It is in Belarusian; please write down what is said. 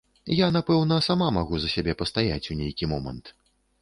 Я, напэўна, сама магу за сябе пастаяць у нейкі момант.